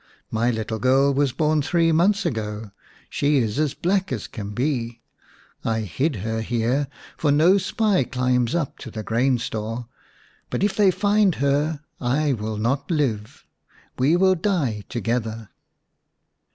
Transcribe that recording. My little girl was born three months ago ; she is as black as can be. I hid her here, for no spy climbs up to the grain stores ; but if they find her I will not live ; we will die together."